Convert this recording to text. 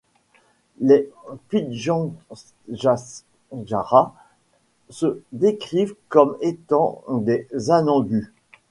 Les Pitjantjatjara se décrivent comme étant des Anangu.